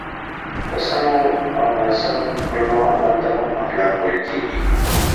په سمو او ناسم کړنو عمل ته هم اخلاق ویل کېږي.